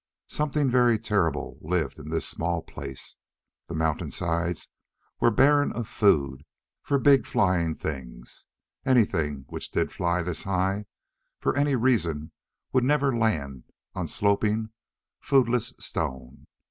Something very terrible lived in this small place. The mountainsides were barren of food for big flying things. Anything which did fly this high for any reason would never land on sloping foodless stone.